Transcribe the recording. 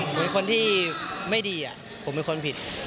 เหมือนคนที่ไม่ดีผมเป็นคนผิด